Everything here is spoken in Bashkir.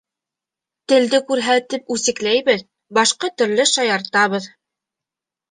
Телде күрһәтеп үсекләйбеҙ, башҡа төрлө шаяртабыҙ.